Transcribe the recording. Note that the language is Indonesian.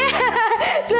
nih ini udah berarti